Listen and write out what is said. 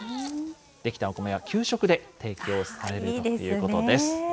出来たお米は給食で提供されるということです。